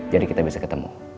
jadi kita bisa ketemu